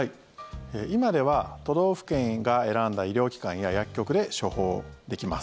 今では都道府県が選んだ医療機関や薬局で処方できます。